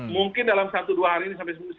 mungkin dalam satu dua hari ini sampai sepuluh